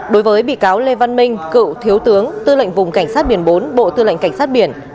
đối với bị cáo lê văn minh cựu thiếu tướng tư lệnh vùng cảnh sát biển bốn bộ tư lệnh cảnh sát biển